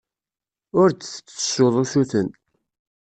Ur d-tettessuḍ usuten.